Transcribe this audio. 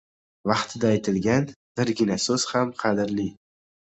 • Vaqtida aytilgan birgina so‘z ham qadrli.